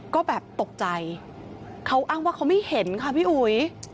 ก็แบบตกใจเขาอ้างว่าเขาไม่เห็นค่ะพี่อุ๋ย